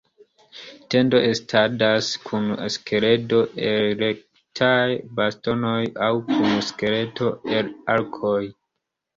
Tendo estadas kun skeleto el rektaj bastonoj aŭ kun skeleto el arkoj.